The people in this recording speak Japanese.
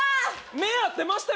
目合ってましたよ